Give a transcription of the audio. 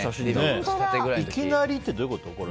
いきなりってどういうこと？